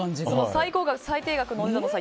最高額、最低額のお値段の差